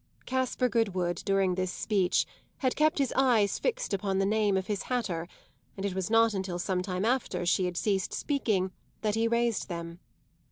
Caspar Goodwood, during this speech, had kept his eyes fixed upon the name of his hatter, and it was not until some time after she had ceased speaking that he raised them.